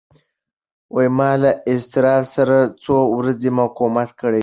ما له اضطراب سره څو ورځې مقاومت کړی دی.